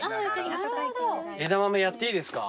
枝豆やっていいですか？